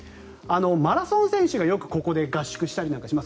マラソン選手がよくここで合宿をしたりします。